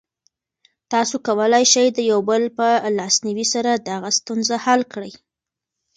تاسو کولی شئ د یو بل په لاسنیوي سره دغه ستونزه حل کړئ.